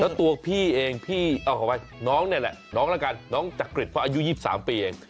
แล้วตัวพี่เองพี่เอาขออภัยน้องนี่แหละน้องละกันน้องจักริตเพราะอายุ๒๓ปีเอง